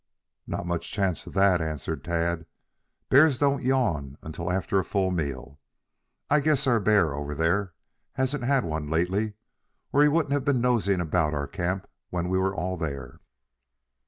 "Not much chance of that," answered Tad. "Bears don't yawn until after a full meal. I guess our bear over there hasn't had one lately or he wouldn't have been nosing about our camp when we were all there."